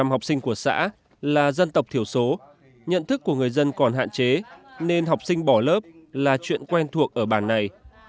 một trăm linh học sinh của xã là dân tộc thiểu số nhận thức của người dân còn hạn chế nên học sinh bỏ lớp là chuyện quen thuộc ở bản này